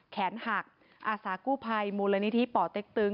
แขนหักอาสากู้ภัยมูลนิธิป่อเต็กตึง